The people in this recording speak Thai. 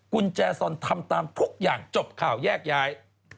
กุญแจซอนทำตามทุกอย่างจบข่าวแยกย้าย